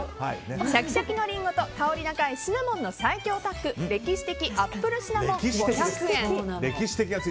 シャキシャキのリンゴと香り高いシナモンの最強タッグ歴史的アップルシナモン５００円。